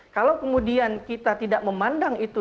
kalau kemudian kita tidak memandang itu